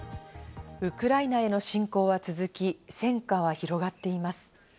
ウクライナへの侵攻は続き、戦火は広がっています。